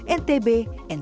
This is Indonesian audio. entra dan jalan jalan jalan